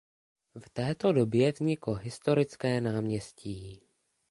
V této době vzniklo historické náměstí.